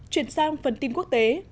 chuyển sang phần tin quốc tế